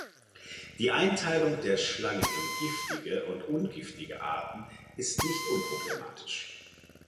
Die Einteilung der Schlangen in giftige und ungiftige Arten ist nicht unproblematisch.